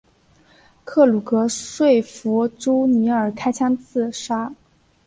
克鲁格说服朱尼尔开枪自杀。